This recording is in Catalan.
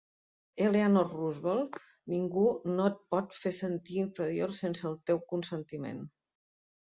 Eleanor Roosevelt: ningú no et pot fer sentir inferior sense el teu consentiment.